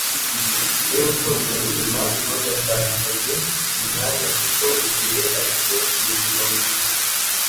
Niba ukunda ubuzima, ntugatakaze umwanya, kuko igihe aricyo ubuzima bugizwe.”